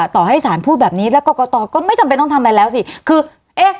ต่อให้สารพูดแบบนี้แล้วกรกตก็ไม่จำเป็นต้องทำอะไรแล้วสิคือเอ๊ะ